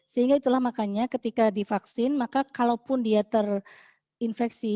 sehingga itulah makanya ketika divaksin maka kalaupun dia terinfeksi